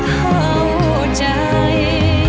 เข้าใจ